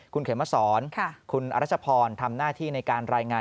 คุณเขมสอนคุณอรัชพรทำหน้าที่ในการรายงาน